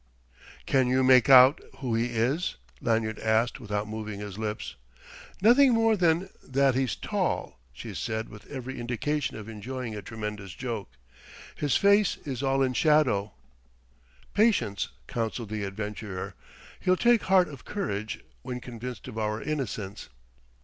"Can you make out who he is?" Lanyard asked without moving his lips. "Nothing more than that he's tall," she said with every indication of enjoying a tremendous joke. "His face is all in shadow...." "Patience!" counselled the adventurer. "He'll take heart of courage when convinced of our innocence."